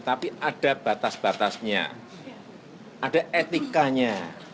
tapi ada batas batasnya ada etikanya